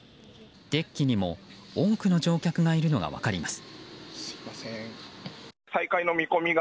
デッキにも多くの乗客がいるのが分かります。